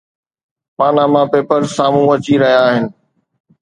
Panama Papers سامهون اچي رهيا آهن.